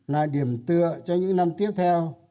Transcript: là điểm tựa cho những năm tiếp theo